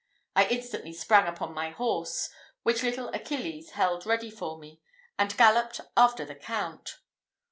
I instantly sprang upon my horse, which little Achilles held ready for me, and galloped after the count.